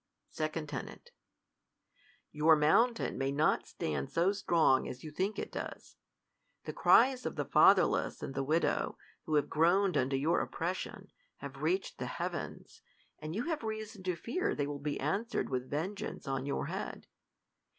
2cL 2\n. Your mountain may not stand so strong as you think it does. The cries of the fatherless and the widow, who have groaned under your oppression, have reached the heavens, and you have reason to fear they will be answered with vengeance on your head.